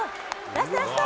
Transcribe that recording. ラスト、ラスト！